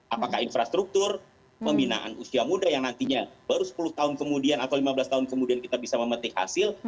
apakah infrastruktur pembinaan usia muda yang nantinya baru sepuluh tahun kemudian atau lima belas tahun kemudian kita bisa memetik hasil